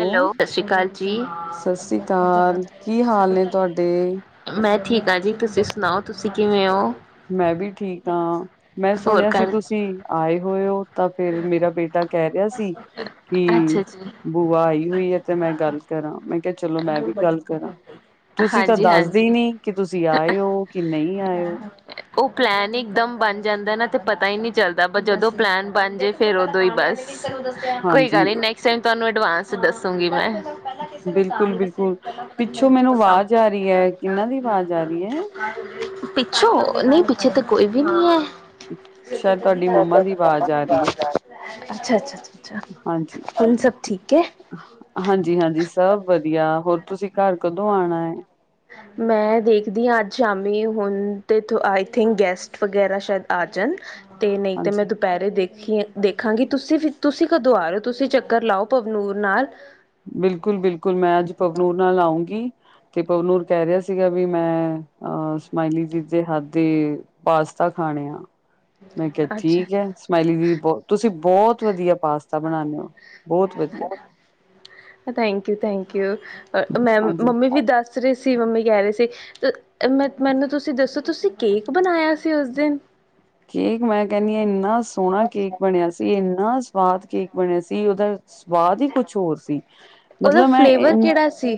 Hello ਸਤਿ ਸ੍ਰੀ ਅਕਾਲ ਜੀ। ਸਤਿ ਸ੍ਰੀ ਅਕਾਲ ਕੀ ਹਾਲ ਨੇ ਤੁਹਾਡੇ ਮੈਂ ਠੀਕ ਹਾਂ ਜੀ ਤੁਸੀਂ ਸੁਣਾਓ ਤੁਸੀਂ ਕਿਵੇਂ ਹੋ ਮੈਂ ਵੀ ਠੀਕ ਹਾਂ ਮੈਂ ਹੋਰ ਸੁਣਿਆ ਸੀ ਘਰ ਤੁਸੀਂ ਆਏ ਹੋਏ ਹੋ ਤਾਂ ਫੇਰ ਮੇਰਾ ਬੇਟਾ ਕਹਿ ਰਿਹਾ ਸੀ ਕਿ ਅੱਛਾ ਅਛਾ ਬੂਆ ਆਈ ਹੋਈ ਹੈ ਤੇ ਮੈਂ ਗੱਲ ਕਰਾਂ ਮੈਂ ਕਿਹਾ ਚਲੋ ਮੈਂ ਵੀ ਗੱਲ ਕਰਾਂ ਤੁਸੀਂ ਤਾਂ ਦੱਸਦੇ ਹੀ ਹਾਂਜੀ-ਹਾਂਜੀ। ਨਹੀਂ ਕਿ ਤੁਸੀਂ ਆਏ ਹੋ ਕਿ ਨਹੀਂ ਆਏ ਹੋ ਉਹ ਪਲੈਨ ਹੀ ਇਕਦਮ ਬਣ ਜਾਂਦਾ ਨਾ ਤੇ ਪਤਾ ਹੀ ਨਹੀਂ ਚੱਲਦਾ ਪਰ ਜਦੋਂ ਪਲੈਨ ਬਣ ਜੇ ਫੇਰ ਉਦੋਂ ਹੀ ਬਸ ਕੋਈ ਹਾਂਜੀ ਗੱਲ ਨੀ ਨੈਕਸਟ ਟਾਈਮ ਤੁਹਾਨੂੰ ਅਡਵਾਂਸ ਚ ਦੱਸੂਂਗੀ ਮੈਂ ਪਹਿਲਾਂ ਕਿਸੇ ਨੂੰ ਤਾਂ ਬਿਲਕੁਲ ਨੀ ਦੱਸਿਆ ਬਿਲਕੁਲ ਪਹਿਲਾਂ ਪਤਾ ਨੀ ਪਿੱਛੋਂ ਮੈਨੂੰ ਪਸੰਦ ਆਵਾਜ਼ ਆ ਰਹੀ ਹੈ ਆਉਂਦਾ ਕਿਹਨਾਂ ਦੀ ਜਾਂ ਆਵਾਜ਼ ਆ ਰਹੀ ਹੈ ਪਿੱਛੋਂ ਨਹੀਂ ਪਿੱਛੇ ਤਾਂ ਕੋਈ ਵੀ ਨਹੀਂ ਹੈ। ਸ਼ਾਇਦ ਤੁਹਾਡੀ ਮੰਮਾ ਦੀ [inaudible] ਆਵਾਜ਼ ਆ ਰਹੀ ਹੈ ਅੱਛਾ ਅੱਛਾ ਹਾਂਜੀ ਹਾਂਜੀ ਹਾਂਜੀ ਸਭ ਵਧੀਆ ਹੋਰ ਤੁਸੀਂ ਘਰ ਕਦੋਂ ਹਾਂ ਆਉਣਾ ਹੈ ਮੈਂ ਦੇਖਦੀ ਹਾਂ ਅੱਜ ਸ਼ਾਮੀ ਹੁਣ ਤੇ ਆਈ ਥਿੰਕ ਗੈਸਟ ਵਗੈਰਾ ਸ਼ਾਇਦ ਆ ਜਾਣ ਤੇ ਨਹੀਂ ਤੇ ਹਾਂਜੀ ਮੈਂ ਪੈਰੇ ਦੇਖੀ ਦੇਖਾਂਗੀ ਤੁਸੀਂ, ਤੁਸੀਂ ਕਦੋਂ ਆ ਰਹੇ ਹੋ ਤੁਸੀਂ ਚੱਕਰ ਲਾਓ ਪਵਨੂਰ ਨਾਲ। ਬਿਲਕੁਲ- ਬਿਲਕੁਲ ਮੈਂ ਅੱਜ ਪਵਨੂਰ ਨਾਲ ਆਉਂਗੀ। ਤੇ ਪਵਨੂਰ ਕਹਿ ਰਿਹਾ ਸੀਗਾ ਵੀ ਮੈਂ ਅਹ ਸਮਾਇਲੀ ਦੀ ਦੇ ਹੱਥ ਦੀ ਪਾਸਤਾ ਖਾਣੇ ਆ, ਮੈਂ ਕਿਹਾ ਅੱਛਾ ਠੀਕ ਹੈ ਸਮਾਈਲੀ ਦੀ ਬਹੁਤ ਤੁਸੀਂ ਬਹੁਤ ਵਧੀਆ ਪਾਸਤਾ ਬਣਾਉਂਦੇ ਹੋ, ਬਹੁਤ ਵਧੀਆ। ਥੈਂਕ ਯੂ- ਥੈਂਕ ਯੂ ਮੈਂ ਹਾਂਜੀ ਮੰਮੀ ਦੀ ਦਸ ਰੇ ਸੀ ਮੰਮੀ ਕਹਿ ਰਹੇ ਸੀ ਮ ਮੈਨੂੰ ਤੁਸੀਂ ਦੱਸੋ ਤੁਸੀਂ ਕੇਕ ਬਣਾਇਆ ਸੀ ਉਸ ਦਿਨ। ਕੇਕ ਮੈਂ ਕਹਿੰਦੀ ਹਾਂ ਇੰਨਾ ਸੋਹਣਾ ਕੇਕ ਬਣਿਆ ਸੀ, ਇੰਨਾ ਸਵਾਦ ਕੇਕ ਬਣਿਆ ਸੀ, ਉਹਦੌ ਸਵਾਦ ਹੀ ਕੁਛ ਹੋਰ ਸੀ, ਉਹਦਾ ਮਤਲਬ ਮੈਂ ਇ ਫਲੇਵਰ ਕਿਹੜਾ ਸੀ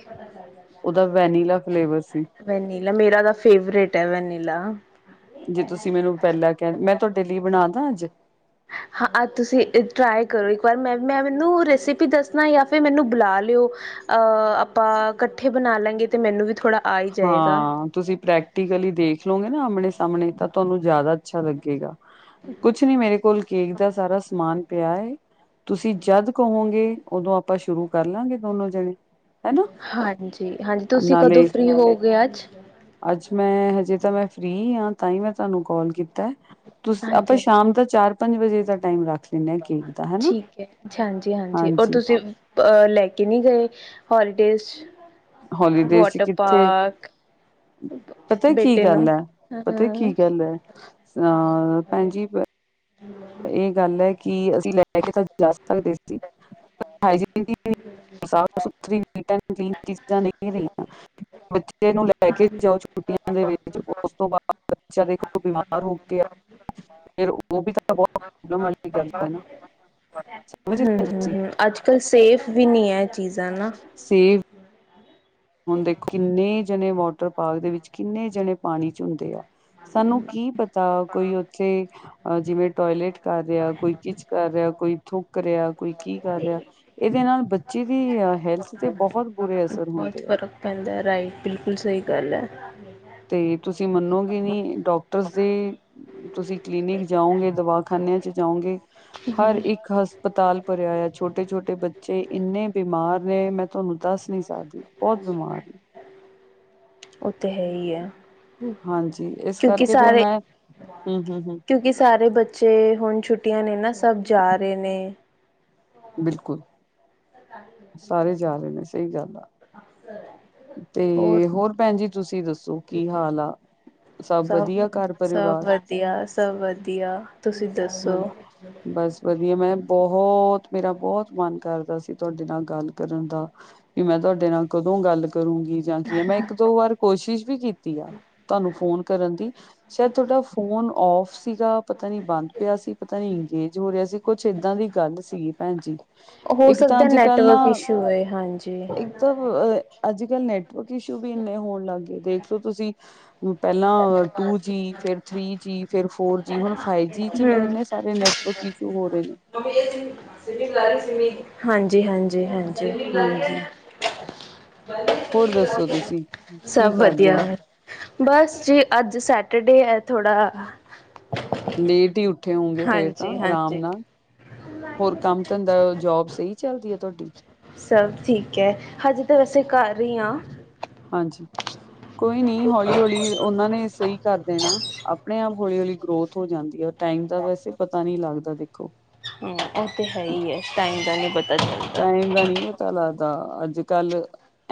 ਉਹਦਾ ਵੈਨੀਲਾ ਫਲੇਵਰ ਸੀ। ਵੈਨੀਲਾ ਮੇਰਾ ਤਾਂ ਫੇਵਰੇਟ ਹੈ ਵੈਨੀਲਾ। ਜੇ ਤੁਸੀਂ ਮੈਨੂੰ ਪਹਿਲਾਂ ਕਹਿ ਮੈਂ ਤੁਹਾਡੇ ਲਈ ਬਣਾਦਾਂ ਅੱਜ। ਹਾਂ ਤੁਸੀਂ ਟਰਾਈ ਕਰੋ ਇੱਕ ਵਾਰ ਮੈਂ, ਮੈਂ ਮੈਨੂੰ ਰੈਸਪੀ ਦੱਸਣਾ ਜਾਂ ਫੇਰ ਮੈਨੂੰ ਬੁਲਾ ਲਿਓ। ਅਹ ਆਪਾਂ ਇਕੱਠੇ ਬਣਾ ਲਾਂਗੇ ਤੇ ਮੈਨੂੰ ਵੀ ਥੋੜਾ ਹਾਂ ਤੁਸੀਂ ਪ੍ਰੈਕ ਟਿਕਲੀ ਦੇਖ ਲਉਗੇ ਨਾ ਆਮਣੇ ਸਾਹਮਣੇ ਤਾਂ ਤੁਹਾਨੂੰ ਜ਼ਿਆਦਾ ਅੱਛਾ ਲੱਗੇਗਾ। ਹਠ ਕੁਛ ਨੀ ਮੇਰੇ ਕੋਲ ਕੇਕ ਦਾ ਸਾਰਾ ਸਮਾਨ ਪਿਆ ਹੈ ਤੁਸੀਂ ਜਦ ਕਹੋਗੇ ਉਦੋਂ ਆਪਾਂ ਸ਼ੁਰੂ ਕਰ ਲਾਂਗੇ ਦੋਨੋ ਜਣੇ। ਹਨਾ ਹਾਂਜੀ- ਹਾਂਜੀ ਤੁਸੀਂ ਕਦੋਂ ਨਾਲੇ ਫ੍ਰੀ ਹੋਵੋ ਗੇ ਅੱਜ। ਅੱਜ ਮੈਂ ਹਜੇ ਤਾਂ ਮੈਂ ਫ੍ਰੀ ਹਾਂ ਤਾਂ ਹੀ ਮੈਂ ਤੁਹਾਨੂੰ ਕਾਲ ਕੀਤਾ ਐ। ਤੁ ਆਪਾਂ ਹਾਂਜੀ ਹਾਂਜੀ ਸ਼ਾਮ ਦਾ ਚਾਰ- ਪੰਜ ਵਜੇ ਦਾ ਟਾਈਮ ਰੱਖ ਲੈਂਦੇੇ ਹਾਂ ਕੇਕ ਦਾ ਹਨਾ। ਠੀਕ ਹੈ ਹਾਂਜੀ- ਹਾਂਜੀ ਔਰ ਤੁਸੀਂ ਅ ਲੈ ਕੇ ਨਹੀਂ ਗਏ ਹੋਲੀਡੇਜ਼। ਹੋਲੀਡੇਜ ਚ ਵਾਟਰ ਕਿੱਥੇ? ਪਾਰਕ ਪਤਾ ਕੀ ਬੇਟੇ ਗੱਲ ਨੂੰ ਹੈ- ਹਾਂ ਪਤਾ ਕੀ ਹਮ ਗੱਲ ਹੈ ਅਹ ਭੈਣਜੀ ਹੂੰ ਕੀ ਗੱਲ ਹੈ ਕਿ ਅਸੀਂ ਲੈ ਕੇ ਤਾਂ ਦੇ ਸੀ [unintelligible] ਸਾਫ਼ ਸੁਥਰੀ ਕਲੀਨ ਚੀਜਾਂ ਨਹੀਂ ਰਹੀਆਂ ਬੱਚੇ ਨੂੰ ਲੈ ਕੇ ਜਾ ਛੁੱਟੀਆਂ ਦੇ ਵਿੱਚ ਉਸ ਤੋਂ ਬਾਅਦ ਬੱਚਾ ਦੇਖੋ ਬਿਮਾਰ ਹੋ ਕੇ ਫੇਰ ਉਹ ਵੀ ਤਾਂ ਬਹੁਤ ਪ੍ਰੋਬਲਮ ਵਾਲੀ ਗੱਲ ਹੈ ਨਾ ਸਮਝ ਰਹੇ ਹੋ ਹੂੰ-ਹੂੰ, ਤੁਸੀਂ ਹੂੰ ਅੱਜ ਕੱਲ ਸੇਫ ਵੀ ਨਹੀਂ ਹੈ। ਚੀਜ਼ਾਂ ਨਾ। ਸੇਵ ਹੁਣ ਦੇਖੋ ਕਿੰਨੇ ਜਣੇ ਵਾਟਰ ਪਾਰਕ ਦੇ ਵਿੱਚ ਕਿੰਨੇ ਜਣੇ ਪਾਣੀ ਚ ਹੁੰਦੇ ਆ। ਸਾਨੂੰ ਕੀ ਪਤਾ ਕੋਈ ਉੱਥੇ ਆ ਜਿਵੇਂ ਟੋਇਲੇਟ ਕਰ ਰਿਹਾ, ਕੋਈ ਕੁਛ ਕਰ ਰਿਹਾ, ਕੋਈ ਥੁੱਕ ਰਿਹਾ, ਕੋਈ ਕੀ ਕਰ ਰਿਹਾ। ਇਹਦੇ ਨਾਲ ਬੱਚੇ ਦੀ ਅ ਹੈਲਥ ਤੇ ਬਹੁਤ ਬੁਰੇ ਅਸਰ ਬਹੁਤ ਹੁੰਦੇ ਆ। ਫ਼ਰਕ ਪੈਂਦਾ ਹੈ ਰਾਈਟ ਬਿਲਕੁਲ ਸਹੀ ਗੱਲ ਹੈ। ਤੇ ਤੁਸੀਂ ਮੰਨੋਗੇ ਨੀ ਡਾਕਟਰਸ ਦੇ ਤੁਸੀਂ ਕਲੀਨਿਕ ਜਾਓਗੇ ਦਵਾਖਾਨਿਆਂ ਚ ਜਾਓਗੇ ਹਰ ਇੱਕ ਹਸਪਤਾਲ ਭਰਿਆ ਆ ਛੋਟੇ- ਛੋਟੇ ਬੱਚੇ ਇੰਨੇ ਬਿਮਾਰ ਨੇ ਮੈਂ ਤੁਹਾਨੂੰ ਦੱਸ ਨੀ ਸਕਦੀ ਬਹੁਤ ਬਿਮਾਰ ਨੇ। ਉਹੱ ਤੇ ਹੈ ਹੀ ਆ। ਹਾਂਜੀ ਇਸ ਕਰਕੇ ਫੇਰ ਮੈਂ, ਹੂੰ-ਹੂੰ, ਹੂੰ। ਕਿ ਸਾਰੇ ਬੱਚੇ ਹੁਣ ਛੁੱਟੀਆਂ ਨੇ ਨਾ ਸਭ ਜਾ ਰਹੇ ਨੇ। ਬਿਲਕੁਲ ਸਾਰੇ ਜਾ ਰਹੇ ਨੇ ਸਹੀ ਗੱਲ ਆ ਤੇ ਹੋਰ ਭੈਣ ਜੀ ਤੁਸੀਂ ਦੱਸੋ ਸੋ ਕੀ ਹਾਲ ਆ ਸਭ ਵਧੀਆ ਘਰ ਸਭ ਪਰਿਵਾਰ ਵਧੀਆ ਸਭ ਵਧੀਆ ਤੁਸੀਂ ਦੱਸੋ ਹਾਂਜੀ ਬਸ ਵਧੀਆ ਮੈਂ ਬਹੁਤ ਮੇਰਾ ਬੋਤ ਮਨ ਕਰਦਾ ਸੀ ਤੁਹਾਡੇ ਨਾਲ ਗੱਲ ਕਰਨ ਦਾ ਵੀ ਮੈਂ ਤੁਹਾਡੇ ਨਾਲ ਕਦੋਂ ਗੱਲ ਕਰੂੰਗੀ ਜਾਂ ਕੀ ਹੈ ਮੈਂ ਇੱਕ ਦੋ ਵਾਰ ਕੋਸ਼ਿਸ਼ ਵੀ ਕੀਤੀ ਆ ਤੁਹਾਨੂੰ ਫੋਨ ਕਰਨ ਦੀ ਸ਼ਇਦ ਤੁਹਾਡਾ ਫੋਨ ਔਫ ਸੀਗਾ ਪਤਾ ਨੀ ਬੰਦ ਪਿਆ ਸੀ ਪਤਾ ਨੀ ਅੰਗੇਜ ਹੋ ਰੇਹਾ ਸੀ ਕੁੱਛ ਏਦਾਂ ਦੀ ਗੱਲ ਸੀਗੀ ਭੈਣ ਜ ਹੋ ਸਕਦਾ ਨੈਟਵਰਕ ਇਸ਼ੂ ਹਾਂਜੀ ਮਤਲਬ ਅੱਜ ਕਲ ਨੈਟਵਰਕ ਇਸ਼ੂ ਵੀ ਇੰਨੇ ਹੋਣ ਲੱਗ ਗਏ ਦੇਖਲੋ ਤੁਸੀਂ ਪਹਿਲਾਂ ਟੂ ਜੀ ਫੇਰ ਥੀ ਜੀ ਫੇਿਰ ਫੋਰ ਜੀ ਹੁਣ ਫਾਈਵ ਜੀ ਵਿੱਚ ਵੀ ਹਮ ਇੰਨੇ ਸਾਰੇ ਨੈਟਵਰਕ ਇਸ਼ੂ ਹੋ ਰਹੇ ਨੇ ਹਾਂਜੀ ਹਾਂਜੀ ਜੀੀ ਹਾਂਜੀ ਹਾਂਜੀ ਹੋਰ ਦੱਸੋ ਤੁਸੀਂ ਸਭ ਕੀ ਵਧੀਆ ਕਰਦੇ ਬਸ ਜੀ ਅੱਜ ਸੈਟਰਡੇ ਹੈ ਥੋੜ੍ਹਾ ਲੇਟ ਹੀ ਉੱਠੇ ਹੋਊਗੇ ਫੇਿਰ ਤਾਂ ਹਾਂਜੀ ਆਰਾਮ ਹਾਂਜੀ ਨਾਲ ਹੋਰ ਕੰਮ ਧੰਦਾ ਜੋਬ ਸਹੀ ਚੱਲਦੀ ਹੈ ਤੁਹਾਡੀ ਸਭ ਠੀਕ ਹੈ ਹਜੇ ਤਾਂ ਵੈਸੇ ਕਰ ਰ ਹੀ ਹਾਂ ਹਾਂਜੀ ਕੋਈ ਨੀ ਹੌਲੀ ਹੌਲੀ ਉਹਨਾਂ ਨੇ ਸਹੀ ਕਰ ਦੇਣਾ ਆਪਣੇ ਆਪ ਹੌਲੀ ਹੌਲੀ ਗਰੋਥ ਹੋ ਜਾਂਦੀ ਹੈ ਟਾਈਮ ਦਾ ਵੈਸੇ ਪਤਾ ਨਹੀਂ ਲੱਗਦਾ ਦੇਖੋ ਉਹ ਤਾਂ ਹੈ ਹੀ ਹੈ ਟਾਈਮ ਤਾਂ ਨਹੀਂ ਬੱਚ ਟਾਈਮ ਦਾ ਨੀ ਪ ਪਤਾ ਲੱਗਦਾ ਅੱਜ ਕੱਲ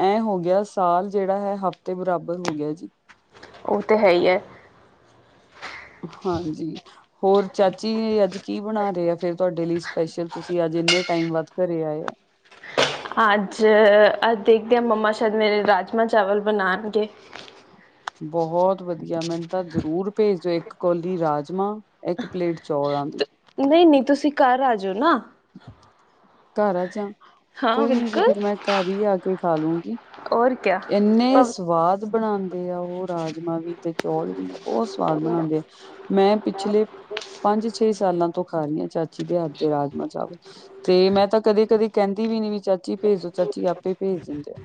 ਐ ਹੋ ਗਿਆ ਸਾਲ ਜੇੜਾ ਹੈ ਹਫ਼ਤੇ ਬਰਾਬਰ ਹੋ ਗਿਆ ਜੀ ਉਹ ਤਾਂ ਹੈਈ ਹੈ ਹਾਂਜੀ ਹੋਰ ਚਾਚੀ ਅੱਜ ਕੀ ਬਣਾ ਰਹੇ ਆ ਫਿਰ ਤੁਹਾਡੇ ਲਈ ਸਪੈਸ਼ਲ ਤੁਸੀਂ ਅੱਜ ਇੰਨੇ ਟਾਈਮ ਵੱਧ ਘਰੇ ਆਏ ਆ ਅੱਜ ਅੱਜ ਦੇਖਦੇ ਹਾਂ ਮੰਮਾ ਸ਼ਾਇਦ ਮੇਰੇ ਰਾਜਮਾਹ ਚਾਵਲ ਬਣਾਣਗੇ ਬਹੁਤ ਵਧੀਆ ਮੈਨੂੰ ਤਾਂ ਜ਼ਰੂਰ ਭੇਜ ਦਿਓ ਇੱਕ ਕੋੌਲੀ ਰਾਜਮਾਂ ਇੱਕ ਪਲੇਟ ਚੌਲ ਆਂ ਦੀ ਤੇ- ਨਹੀਂ ਨਹੀਂ ਤੁਸੀਂ ਘਰ ਆ ਜਾਓ ਨਾ ਘਰ ਚ ਹਾਂ ਕੋਈ ਨੀ ਜੀ ਬਿਲਕੁਲ ਫੇਿਰ ਮੈਂ ਘਰ ਹੀ ਆ ਕੇ ਖਾ ਲੂੰਗੀ ਔਰ ਕਿਆ ਇੰਨੇ ਭਵ ਸਵਾਦ ਬਣਾਂਦੇ ਦੇ ਆ ਉਹ ਰਾਜਮਾਂ ਵੀ ਤੇ ਚੌਲ ਵੀ ਬੋਤ ਸਵਾਦ ਬਣਾਂਦੇ ਆ ਮੈਂ ਪਿਛਲੇ ਪੰਜ ਛੇ ਸਾਲਾਂ ਤੋਂ ਖਾ ਰਹੀ ਹਾਂ ਚਾਚੀ ਦੇ ਹੱਥ ਤੇ ਰਾਜਮਾਂ ਚਾਵਲ ਤੇ ਮੈਂ ਤਾਂ ਕਦੇ ਕਦੇ ਕੈਂਦੀ ਵੀ ਨੀ ਵੀ ਚਾਚੀ ਭੇਜੋ ਚਾਚੀ ਆਪੇ ਭੇਜ ਦਿੰਦੇ ਆ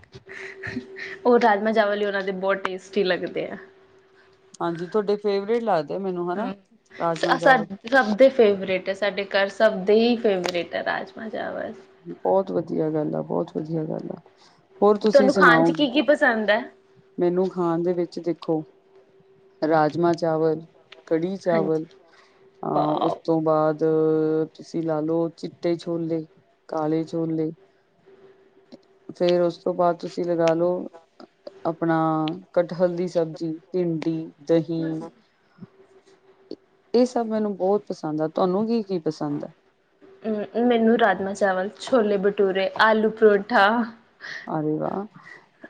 ਉਹ ਰਾਜਮਾਂ ਚਾਵਲ ਵੀ ਉਹਨਾ ਦੇ ਬੋਤ ਟੇਸਟੀ ਲੱਗਦੇ ਆ ਹਾਂਜੀ ਤੁਹਾਡੇ ਫੇਵਰੇਟ ਲਾਦੇ ਹਮ ਸਾ ਸਭ ਦੇ ਫੇਵਰੇਟ ਹੈ ਸਾਡੇ ਘਰ ਸਭ ਦੇ ਹੀ ਫੇਵਰੇਟ ਹੈ ਰਾਜ ਮਜ਼ਾ ਆਵਤ ਬੋਤ ਵਧੀਆ ਗੱਲ ਆ ਬੋਤ ਵਧੀਆ ਗੱਲ ਆ ਹੋਰ ਤੁਸੀਂ ਤੁਹਾਨੂੰ ਖਾਣ ਚ ਸੁਣਾਓਗੇ ਕੀ ਕੀ ਪਸੰਦ ਹੈ ਮੈਨੂੰ ਖਾਣ ਦੇ ਵਿੱਚ ਦੇਖੋ ਰਾਜਮਾਂ ਚਾਵਲ ਕੜੀ ਚਾਵਲ ਹਾਂਜੀ ਅਹ ਉਸ ਵਾਓ ਉਸ ਤੋਂ ਬਾਅਦ ਤੁਸੀਂ ਲਾਾਲਓ ਚਿੱਟੇ ਛੋਲੇ ਕਾਲੇ ਛੋਲੇ ਫੇਰ ਉਸ ਤੋ ਬਾਅਦ ਤੁਸੀਂ ਲਗਾ ਲੋ ਆਪਣਾ ਕਟਹਲ ਦੀ ਸਬਜ਼ੀ, ਭਿੰਡੀ ਅੱਛਾ ਦਹੀਂ [inaudible] ਏ ਸਭ ਮੈਨੂੰ ਬੌਤ ਪਸੰਦ ਆ! ਤਾਨੂੰ ਕੀ -ਕੀ ਪਸੰਦ ਆ? ਮੈਨੂੰ ਰਾਜਮਾਂ ਚਾਵਲ, ਛੋਲੇ ਭਟੂਰੇ, ਆਲੂ ਪਰੌਂਠਾ ਅਰੇ ਵਾਹ,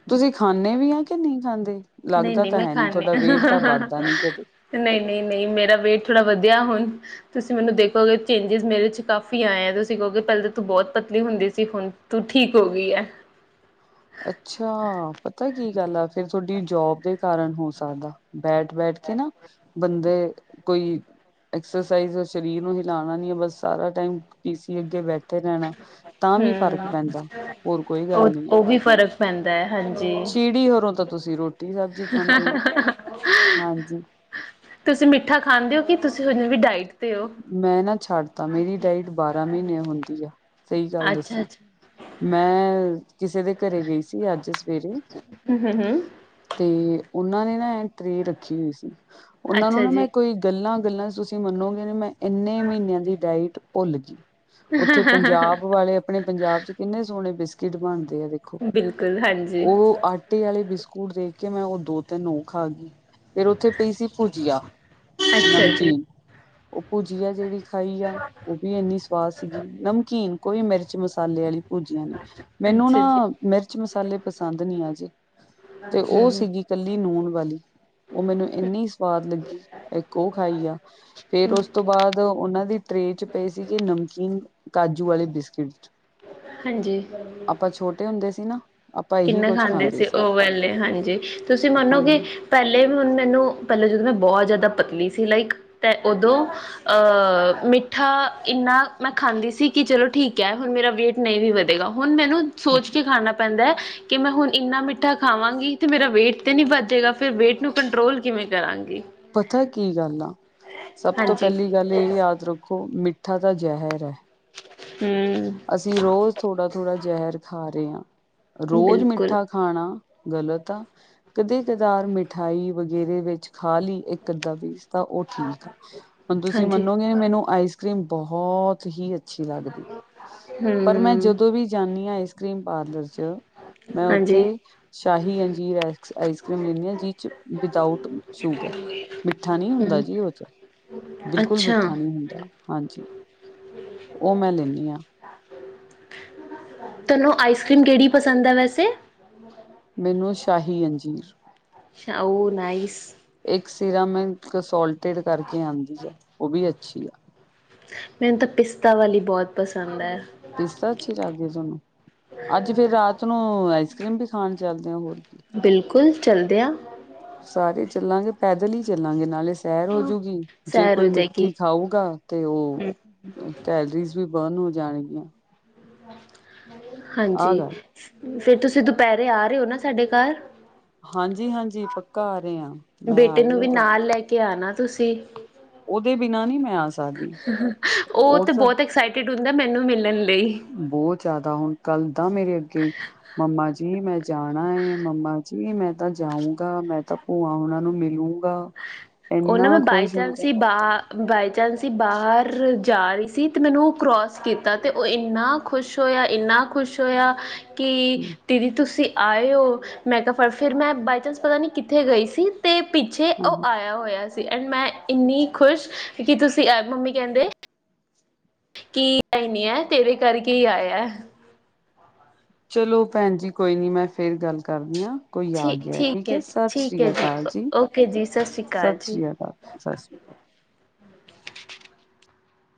ਤੁਸੀਂ ਖਾਨੇ ਵੀ ਆ ਕਿ ਨਈ ਖਾਂਦੇ? ਨਹੀਂ ਲੱਗਦਾ ਨਹੀਂ ਤਾਂ ਮੈਂ ਹੈ ਨੀ! ਥੋਡਾ ਵੇਟ ਤਾਂ ਵੱਧਦਾ ਨੀ ਕਦੇ। ਨਈ -ਨਈ - ਨਈ ਮੇਰਾ ਵੇਟ ਥੋੜ੍ਹਾ ਵਧਿਆ ਹੁਣ। ਤੁਸੀਂ ਮੈਨੂੰ ਦੇਖੋਗੇ ਚੇਂਜਿਸ ਮੇਰੇ ਚ, ਕਾਫੀ ਆਏਂ ਆ ਤੁਸੀਂ ਕਹੋਗੇ! ਪੈਲੇ ਤੇ ਤੂੰ ਬੌਤ ਪਤਲੀ ਹੁੰਦੀ ਸੀ ਹੁਣ ਤੂੰ ਠੀਕ ਹੋ ਗਈ ਐਹ। ਅੱਛਾ ਪਤਾ ਕੀ ਗੱਲ ਐ ਫਿਰ ਥੋਡੀ ਜੋਬ ਦੇ ਕਾਰਨ ਹੋ ਸਕਦਾ। ਬੈਠ -ਬੈਠ ਕੇ ਨਾ ਬੰਦੇ ਕੋਈ ਐਕਸਰਸਾਈਜ਼ ਸ਼ਰੀਰ ਨੂੰ ਹਿਲਾਣਾ ਨੀ ਐ ਬਸ ਸਾਰਾ ਟਾਈਮ ਪੀ ਸੀ ਅੱਗੇ ਬੈਠ ਠੇ ਰੈਣਾ ਤਾਂ ਵੀ ਫ਼ਰਕ ਹਮ ਪੈਂਦਾ ਹੋਰ ਕੋਈ ਗੱਲ ਨੀ ਐ। ਫਰਕ ਪੈਂਦਾ ਐ ਹਾਂਜੀ ਹੋਰੋਂ ਤਾਂ ਤੁਸੀਂ ਰੋਟੀ ਸਬਜ਼ੀ ਖਾਂਦੇ ਹੋ ਹਾਂਜੀ ਤੁਸੀਂ ਮਿੱਠਾ ਖਾਂਦੇ ਔ ਕਿ ਤੁਸੀਂ ਓੰਜ ਵੀ ਡਾਇਟ ਤੇ ਹੋ ਮੈਂ ਨਾ ਛੱਡਤਾ, ਮੇਰੀ ਡਾਇਟ ਬਾਰਾਂ ਮੀਨੇ ਹੁੰਦੀ ਆ! ਸਈ ਗੱਲ ਅੱਛਾ ਦੱਸਾਂ। ਅੱਛਾ ਮੈਂ ਕਿਸੇ ਦੇ ਘਰੇ ਗਈ ਸੀ ਅੱਜ ਸਵੇਰੇ। ਹਮ ਹਮ ਤੇ ਓਨਾਂ ਨੇ ਨਾ ਐਂ ਟਰੇ ਰੱਖੀ ਹੋਈ ਸੀ ਓਨਾਂ ਨੂੰ ਅੱਛਾ ਨਾ ਜੀ ਮੈਂ ਕੋਈ ਗੱਲਾਂ-ਗੱਲਾਂ ਚ ਤੁਸੀਂ ਮੰਨੋਗੇ ਨੀ ਮੈ, ਏਨੇ ਮਹੀਨਿਆਂ ਦੀ ਡਾਇਟ ਭੁੱਲ ਗੀ। ਓਥੇ ਪੰਜਾਬ ਵਾਲੇ ਆਪਣੇ ਪੰਜਾਬ ਚ, ਕਿੰਨੇ ਸੋਣੇ ਬਿਸਕਿਟ ਬਣਦੇ ਆ ਵੇਖ ਖੋ ਬਿਲਕੁਲ ਹਾਂਜੀ ਓ ਅੱਟ ਟੇ ਵਾਲੇ ਬਿਸਕੁਟ ਦੇਖ ਕੇ ਮੈਂ ਓ ਦੋ, ਤਿੰਨ ਓ ਖਾ ਗਈ ਫੇਰ ਓਥੇ ਪਈ ਸੀ ਭੁਜੀਆ ਅੱਛਾ ਜੀ। ਓ ਭੁਜੀਆ ਜੇੜੀ ਖਾਈ ਆ, ਓ ਵੀ ਏਨੀ ਸ ਸਵਾਦ ਸੀਗੀ ਨਮਕੀਨ ਕੋਈ ਮਿਰਚ ਮਸਾਲੇ ਵਾਲੀ ਭੁਜੀਆਂ ਨਈ ਮੈਨੂੰ ਅੱਛਾ ਨਾ ਜੀ ਮਿਰਚ, ਮਸਾਲੇ ਪਸੰਦ ਨੀ ਆ ਜੇ, ਤੇ ਓ ਸੀਗੀ ਕੱਲੀ ਨੂੰਣ ਵਾਲੀ ਓ ਮੈਨੂੰ ਏਨੀ ਸਵਾਦ ਲੱਗੀ ਏਕ ਓ ਖਾਈ ਆ। ਫੇਰ ਓਸ ਤੋਂ ਬਾਅਦ ਓਨਾਂ ਦੀ ਟਰੇ ਚ, ਪਏ ਸੀਗੇ ਨਮਕੀਨ ਕਾਜੂ, ਵਾਲੇ ਬਿਸਕਿਟ ਹਾਂਜੀ ਆਪਾਂ ਛੋਟੇ ਹੁੰਦੇ ਸੀ ਨਾ। ਆਪਾਂ ਇਹੀ ਕਿੰਨੇ ਕੁੱਝ ਖਾਂਦੇ ਸੀ ਓ ਵਾਲੇ ਹਾਂਜੀ ਤੁਸੀਂ ਮੰਨੋਗੇ ਹਾਂਜੀ ਪੈਲੇ ਵੀ ਹੁਣ ਮੈਨੂੰ ਪੈਲੇ ਜਦੋਂ ਮੈਂ, ਬਹੁਤ ਜ਼ਿਆਦਾ ਪਤਲੀ ਸੀ ਲਾਈਕ ਤੈ ਓਦੋਂ ਅ ਮਿੱਠਾ ਇੰਨਾ ਮੈਂ ਖਾਂਦੀ ਸੀ ਕਿ ਚਲੋ ਠੀਕ ਐ ਹੁਣ ਮੇਰਾ ਵੇਟ ਨਈ ਵੀ ਵਧੇਗਾ ਹੁਣ ਮੈਨੂੰ ਸੋਚ ਕੇ ਖਾਣਾ ਪੈਂਦਾ ਐ ਕਿ ਮੈਂ ਹੁਣ ਇੰਨਾ ਮਿੱਠਾ ਖਾਵਾਂਗੀ ਤੇ ਮੇਰਾ ਵੇਟ ਤੇ ਨੀ ਵੱਧ ਜੇਗਾ ਫਿਰ ਵੇਟ ਨੂੰ ਕੰਟਰੋਲ ਕਿਵੇਂ ਕਰਾਂਗੀ? ਪਤਾ ਕੀ ਗੱਲ ਆ ਸਭ ਤੋਂ ਹਾਂਜੀ ਪੈਲੀ ਗੱਲ ਏ ਯਾਦ ਰੱਖੋ ਮਿੱਠਾ ਤਾ ਜ਼ਹਿਰ ਹੈ। ਹੁੰ ਅਸੀਂ ਰੋਜ਼ ਥੋੜਾ-ਥੋੜਾ ਜ਼ਹਿਰ ਖਾ ਰੇ ਆਂ ਰੋਜ਼ ਬਿਲਕੁਲ ਮਿੱਠਾ ਖਾਣਾ ਗਲਤ ਆ। ਕਦੇ ਕਧਾਰ ਮਿਠਾਈ ਵਗੈਰੇ ਵਿੱਚ ਖਾ ਲੀ ਏਕ ਅੱਧਾ ਪੀਸ। ਤਾਂ ਓ ਠੀਕ ਆ। ਹੁਣ ਤੁਸੀਂ ਹਾਂਜੀ ਮੰਨੋਗੇ ਨੀ ਮੈਨੂੰ ਆਈਸ ਕਰੀਮ ਬਹੁਤ ਹੀ ਅੱਛ ਅੱਛੀ ਲੱਗਦੀ ਆ ਪਰ ਮੈਂ ਹਮ ਜਦੋਂ ਵੀ ਜਾਨੀ ਆ ਆਈਸ ਕਰੀਮ ਪਾਰਲਰ ਚ ਮੈਂ ਹਾਂਜੀ ਓਥੇ Shahi N G X ice cream ਲਿਣੇ ਆ ਜਿਦ ਚ ਵਿਦਾਊਟ ਸ਼ੂਗਰ ਮਿੱਠਾ ਨੀ ਹੁੰਦਾ ਹਮ ਜੀ ਉਹ ਚ, ਬਿਲਕੁਲ ਅੱਛਾ ਮਿੱਠਾ ਨੀ ਹੁੰਦਾ। ਹਾਂਜੀ, ਉਹ ਮੈਂ ਲੈਂਣੀ ਆਂ। ਤੁਵਾਨੂੰ ਆਈਸਕ੍ਰੀਮ ਕੇੜੀ ਪਸੰਦ ਆ ਵੈਸੇ? [inaudible] ਮੈਨੂੰ ਸ਼ਾਹੀ ਅੰਜੀਰ। So nice. ਇੱਕ ਸਿਰਮ [unintelligible] ਕਰਕੇ ਆਂਦੀ ਆ ਉਹ ਵੀ ਅੱਛੀ ਆ। ਮੈਨੂੰ ਤਾਂ ਪਿਸਤਾ ਵਾਲੀ ਬਹੁਤ ਪਸੰਦ ਹੈ। ਪਿਸਤਾ ਅੱਛੀ ਲੱਗਦੀ ਤੁਵਾਨੂੰ ਅੱਜ ਫੇਰ ਰਾਤ ਨੂੰ ਆਈਸ ਕਰ੍ਰੀਮ ਈ ਖਾਣ ਚੱਲਦੇ ਆ ਹੋਰ ਕੀ। ਬਿਲਕੁਲ ਚਲਦੇ ਆ। ਸਾਰੇ ਚੱਲਾਂਗੇ ਪੈਦਲ ਈ ਚੱਲਾਂਗੇ ਨਾਲੇ ਸੈਰ ਹੋਜੂਗੀ ਜੇ ਸੈਰ ਹੋ ਕੋਈ ਜਾਏਗੀ ਮਿੱਠੀ ਖਾਊਗਾ ਤੇ ਉਹ ਕੈਲਰੀਜ਼ ਵੀ ਬਰਨ ਹੋ ਜਾਣ ਗੀਆਂ। ਆਹ ਹਾਂਜੀ, ਗੱਲ ਫਿਰ ਤੁਸੀਂ ਦੁਪਹਿਰੇ ਆ ਰਹੇ ਹੋ ਨਾ ਸਾਡੇ ਘਰ? ਹਾਂਜੀ ਹਾਂਜੀ ਪੱਕਾ ਆ ਰਹੇ ਆ ਮੈਂ ਆ ਬੇਟੇ ਰਹੀ ਨੂੰ ਹਾਂ ਵੀ ਤੁਹਾਡੇ ਨਾਲ ਲੈ ਕੇ ਆਣਾ ਤੁਸੀਂ। ਉਹਦੇ ਬਿਨਾਂ ਨੀ ਮੈਂ ਆ ਸਕਦੀ ਉਹ ਤੇ ਬਹੁਤ ਐਕਸਾਈਟਿਡ ਹੁੰਦਾ ਮੈਨੂੰ ਮਿਲਣ ਲਈ। ਬਹੁਤ ਜ਼ਿਆਦਾ ਹੁਣ ਕੱਲ ਦਾ ਮੇਰੇ ਅੱਗੇ ਮੰਮਾ ਜੀ ਮੈਂ ਜਾਣਾ ਏ ਮੰਮਾ ਜੀ ਮੈਂ ਤਾਂ ਜਾਊਗਾ ਮੈਂ ਤਾਂ ਪੁਆ ਉਨਾਂ ਨੂੰ ਮਿਲੂੰਗਾ। ਉਹ ਨਾ ਮੈਂ ਇੰਨਾ ਬਾਈ ਖੁਸ਼ ਚਾਂਸ ਹੁੰਦਾ ਈ ਬਾਹ, ਬਾਈ ਚਾਂਸ ਇ ਬਾਹਰ ਜਾ ਰਹੀ ਸੀ ਤੇ ਮੈਨੂੰ ਔਹ ਕਰੋਸ ਕੀਤਾ ਤੇ ਉਹ ਇੰਨਾ ਖੁਸ਼ ਹੋਯਾ ਇੰਨਾ ਖੁਸ਼ ਹੋਯਾ ਕਿ ਦੀਦੀ ਤੁਸੀਂ ਆਏ ਔ? ਮੈਂ ਤਾਂ ਪਰ ਫੇਰ ਮੈਂ ਬਾਾਈ ਚਾਂਸ ਪਤਾ ਨੀ ਕਿੱਥੇ ਗਈ ਸੀ। ਅਤੇ ਪਿੱਛੇ ਹਾਂਜੀ ਉਹ ਆਯਾ ਹੋਯਾ ਸੀ ਐਂਡ ਮੈਂ ਇੰਨੀ ਖੁਸ਼ ਕਿ ਤੁਸੀਂ ਮੰਮੀ ਕਹਿੰਦੇ ਕੀ ਏਹ ਨੀ ਹੈ ਤੇਰੇ ਕਰਕੇ ਈ ਆਯਾ। ਚਲੋ ਭੈਣ ਜੀ ਕੋਈ ਨੀ ਮੈਂ ਫੇਰ ਗੱਲ ਕਰਦੀ ਆਂ। ਕੋਈ ਆ ਗਯਾ ਠੀਕ ਹੈ ਸਤਿ ਸ੍ਰੀ ਅਕਾਲ ਜੀ ਓਕੇ ਜੀ ਸਤਿ ਸ਼੍ਰੀ ਅਕਾਲ ਸਤਿ ਜੀ ਸ੍ਰੀ ਅਕਾਲ। [unintelligible]